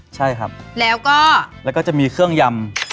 ใช่ครับแล้วก็จะมีเครื่องยำ